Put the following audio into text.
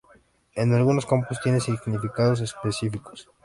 En algunos campos tiene significados específicos.